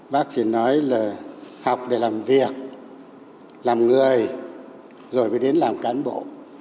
bác chỉ nói là học để làm việc làm người rồi mới đến làm cán bộ